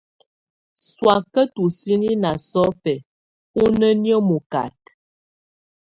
Sɔaka tusini na sɔbɛ onienə mɔkata.